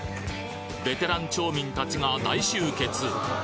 ベテラン町民たちが大集結